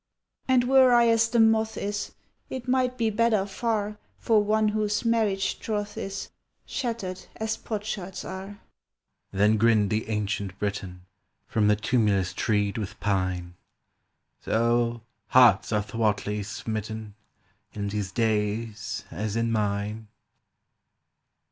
"And were I as the moth is It might be better far For one whose marriage troth is Shattered as potsherds are!" Then grinned the Ancient Briton From the tumulus treed with pine: "So, hearts are thwartly smitten In these days as in mine!"